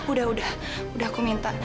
udah udah aku minta